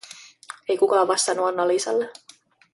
Ei kukaan vastannut Anna Liisalle.